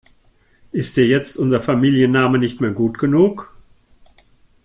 Ist dir jetzt unser Familienname nicht mehr gut genug?